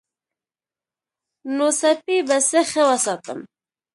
نو سپی به څه ښه وساتم.